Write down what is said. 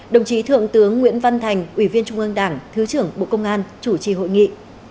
đồng chí thượng tướng nguyễn văn thành ủy viên trung ương đảng thứ trưởng bộ công an chủ trì hội nghị